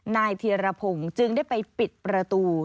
นายเทียระผงจึงได้ไปปิดประตู